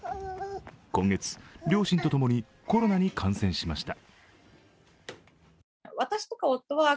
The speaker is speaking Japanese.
今月、両親とともにコロナに感染しました。